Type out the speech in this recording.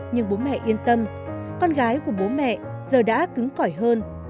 nhưng bố mẹ yên tâm con gái của bố mẹ giờ đã cứng cỏi hơn